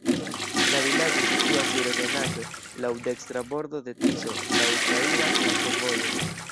La vilaĝo situas sur ebenaĵo, laŭ dekstra bordo de Tiso, laŭ traira flankovojo.